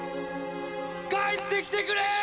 帰ってきてくれー！！